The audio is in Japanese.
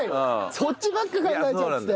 そっちばっかり考えちゃってたよ。